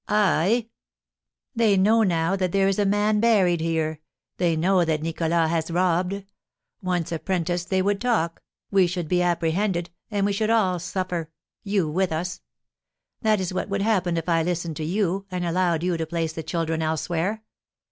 "I?" "They know now that there is a man buried here; they know that Nicholas has robbed. Once apprenticed they would talk, we should be apprehended, and we should all suffer, you with us. That is what would happen if I listened to you, and allowed you to place the children elsewhere.